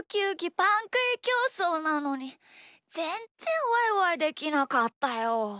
パンくいきょうそうなのにぜんぜんワイワイできなかったよ。